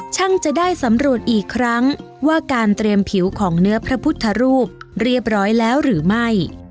ช่างจะได้สำรวจอีกครั้งว่าการเตรียมผิวของเนื้อพระพุทธรูปเรียบร้อยแล้วหรือไม่